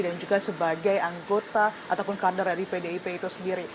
dan juga sebagai anggota ataupun kader dari pdip itu sendiri